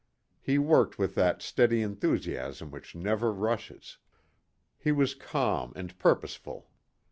He worked with that steady enthusiasm which never rushes. He was calm and purposeful.